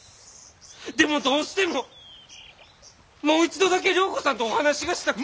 でもどうしてももう一度だけ良子さんとお話がしたくて。